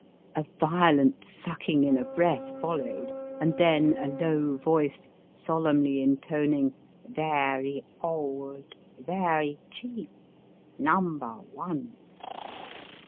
A violent sucking in of breath followed, and then a low voice solemnly intoning —" Ver ry old ; ver ry cheap ; num ber one."